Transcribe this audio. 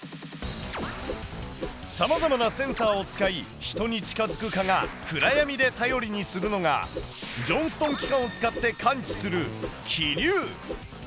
さまざまなセンサーを使い人に近づく蚊が暗闇で頼りにするのがジョンストン器官を使って感知する気流。